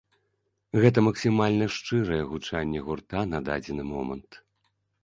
Гэта максімальна шчырае гучанне гурта на дадзены момант.